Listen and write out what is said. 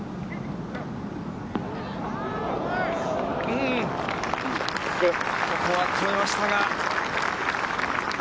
うん、ここは止めましたが。